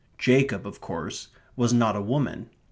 Jacob, of course, was not a woman.